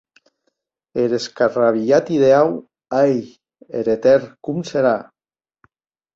Er escarrabilhat ideau, ai!, er etèrn com serà?